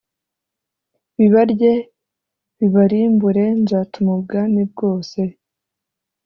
Bibarye bibarimbure nzatuma ubwami bwose